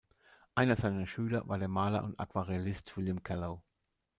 Einer seiner Schüler war der Maler und Aquarellist William Callow.